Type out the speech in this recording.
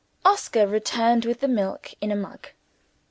Oscar returned with the milk in a mug.